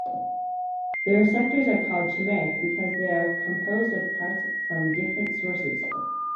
The receptors are called chimeric because they are composed of parts from different sources.